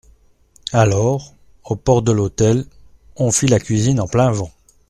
Alors, aux portes de l'hôtel, on fit la cuisine en plein vent.